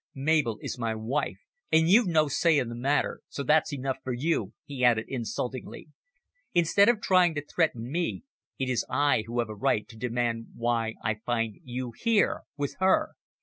Mabel is my wife, and you've no say in the matter, so that's enough for you," he added insultingly. "Instead of trying to threaten me, it is I who have a right to demand why I find you here with her."